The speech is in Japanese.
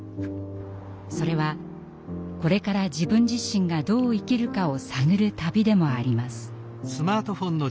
それはこれから自分自身がどう生きるかを探る旅でもあります。